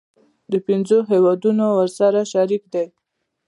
پنځه هیوادونه ورسره شریک دي.